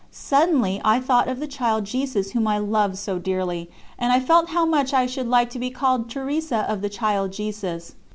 Suddenly I thought of the Child Jesus whom I loved so dearly, and I felt how much I should like to be called Teresa of the Child Jesus.